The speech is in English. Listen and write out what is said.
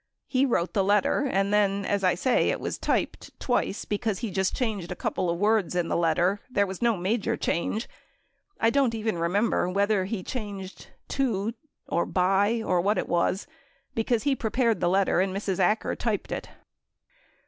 He Avrote the letter and then, as I say, it was typed twice because he just changed a couple of words in the letter. There was no major change. I don't even remember whether he changed "to" or a "by" or what it was, because he prepared the letter and Mrs. Acker typed it.